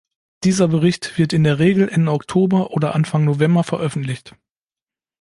Dieser Bericht wird in der Regel Ende Oktober oder Anfang November veröffentlicht.